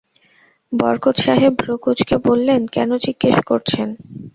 বরকত সাহেব ভ্রূ কুঁচকে বললেন, কেন জিজ্ঞেস করছেন?